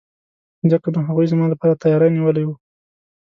ځکه نو هغوی زما لپاره تیاری نیولی وو.